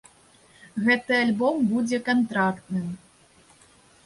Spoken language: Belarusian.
Гэты альбом будзе кантрактным.